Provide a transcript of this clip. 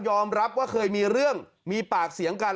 ว่าเคยมีเรื่องมีปากเสียงกัน